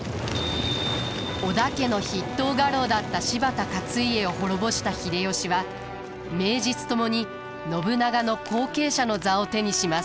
織田家の筆頭家老だった柴田勝家を滅ぼした秀吉は名実ともに信長の後継者の座を手にします。